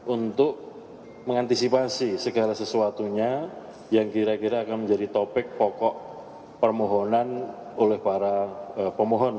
untuk mengantisipasi segala sesuatunya yang kira kira akan menjadi topik pokok permohonan oleh para pemohon